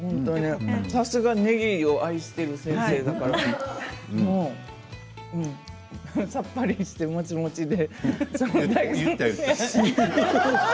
さすがねぎを愛している先生だからさっぱりして、もちもちで。